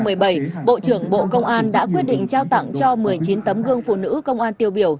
năm hai nghìn bảy bộ trưởng bộ công an đã quyết định trao tặng cho một mươi chín tấm gương phụ nữ công an tiêu biểu